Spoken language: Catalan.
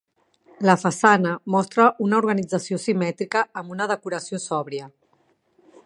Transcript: La façana mostra una organització simètrica amb una decoració sòbria.